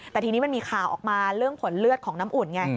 แต่ทีนี้มันมีข่าวออกมาเรื่องผลเลือดของน้ำอุ่นไง